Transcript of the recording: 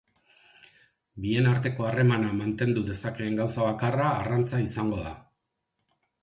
Bien arteko harremana mantendu dezakeen gauza bakarra arrantza izango da.